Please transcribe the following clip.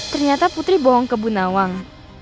ternyata putri bohong ke bu nawang